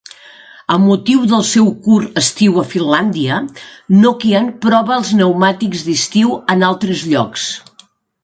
Amb motiu del seu curt estiu a Finlàndia, Nokian prova els pneumàtics d'estiu en altres llocs.